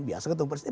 biasa ketemu presiden